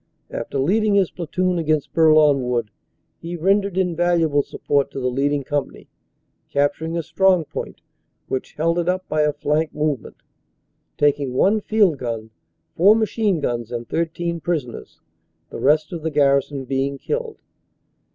After leading his platoon against Bourlon Wood, he rendered invaluable support to the leading company, capturing a strong point which held it up by a flank movement, taking one field gun, four machine guns and 13 prisoners, the rest of the gar rison being killed.